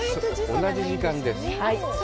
同じ時間です。